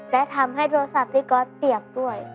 และทำให้โทรศัพท์พี่ก๊อตเปียกด้วย